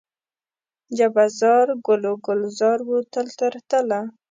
جبه زار، ګل و ګلزار و تل تر تله